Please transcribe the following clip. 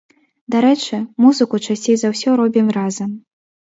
Дарэчы, музыку часцей за ўсё робім разам.